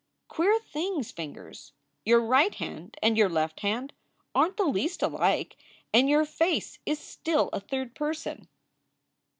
Queer things, fingers. Your right hand and your left hand aren t the least alike and your face is still a third person."